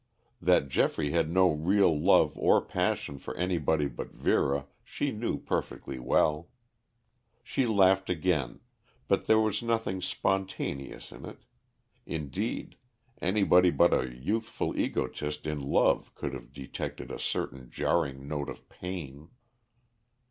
That Geoffrey had no real love or passion for anybody but Vera she knew perfectly well. She laughed again, but there was nothing spontaneous in it; indeed, anybody but a youthful egotist in love could have detected a certain jarring note of pain.